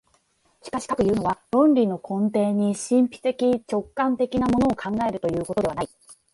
しかしかくいうのは、論理の根底に神秘的直観的なものを考えるということではない。